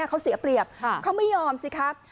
เขาเสียเปรียบเขาไม่ยอมสิครับ